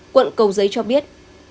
quận cầu giấy cho biết